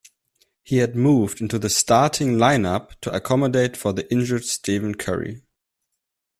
He had moved into the starting lineup to accommodate for the injured Stephen Curry.